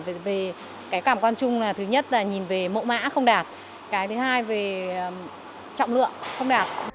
bởi vì cái cảm quan chung là thứ nhất là nhìn về mẫu mã không đạt cái thứ hai về trọng lượng không đạt